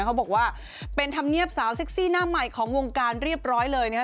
เขาบอกว่าเป็นธรรมเนียบสาวเซ็กซี่หน้าใหม่ของวงการเรียบร้อยเลยนะครับ